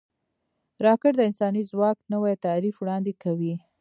راکټ د انساني ځواک نوی تعریف وړاندې کوي